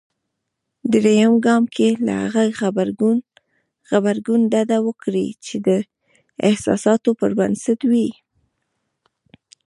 درېم ګام کې له هغه غبرګون ډډه وکړئ. چې د احساساتو پر بنسټ وي.